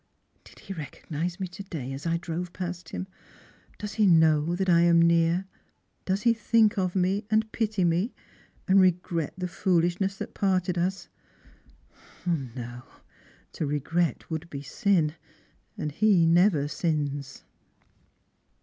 " Did he recognise me to day as I drove past himp does he know that I am near? Does he think of me, and pity me, and regret the fooUshness that parted us ? 0, no ; to regret would be sin, and he never sins."